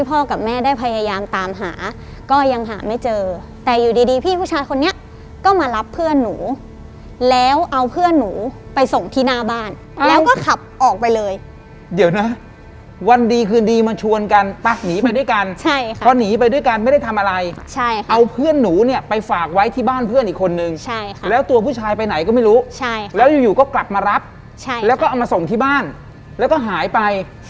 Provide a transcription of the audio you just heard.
กับแม่ได้พยายามตามหาก็ยังหาไม่เจอแต่อยู่ดีดีพี่ผู้ชายคนนี้ก็มารับเพื่อนหนูแล้วเอาเพื่อนหนูไปส่งที่หน้าบ้านแล้วก็ขับออกไปเลยเดี๋ยวนะวันดีคืนดีมาชวนกันไปหนีไปด้วยกันใช่ค่ะพอหนีไปด้วยกันไม่ได้ทำอะไรใช่ค่ะเอาเพื่อนหนูเนี่ยไปฝากไว้ที่บ้านเพื่อนอีกคนนึงใช่ค่ะแล้วตัวผู้ชายไปไหนก็ไม่รู้ใช่ค่ะแล้วอยู่อยู่ก็กลับมารับใช่แล้วก็เอามาส่งที่บ้านแล้วก็หายไป